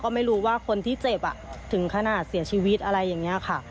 ไม่รู้ว่าคนที่เจ็บถึงขนาดเสียชีวิตอะไรอย่างนี้ค่ะ